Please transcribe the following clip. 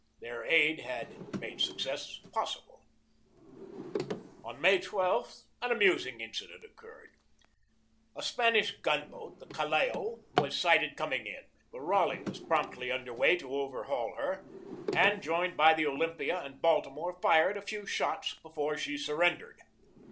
Their aid had made success possible. On May 12 an amusing incident occurred. A Spanish gun boat, the Callao y was sighted coming in. The Raleigh was promptly under way to overhaul her, and, joined by the Olympia and Baltimore, fired a few shots before she surrendered.